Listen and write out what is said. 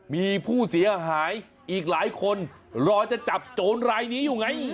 มีผู้เสียหายอีกหลายคนรอจะจับโจรรายนี้อยู่ไง